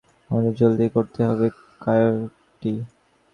আমাদের জলদি করতে হবে, কায়োটি।